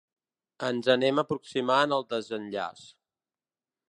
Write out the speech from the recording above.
Ens anem aproximant al desenllaç.